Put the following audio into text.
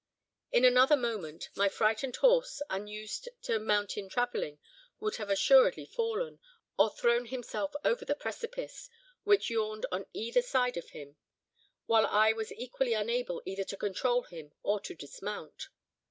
In another moment, my frightened horse, unused to mountain travelling, would have assuredly fallen, or thrown himself over the precipice, which yawned on either side of him, while I was equally unable either to control him or to dismount.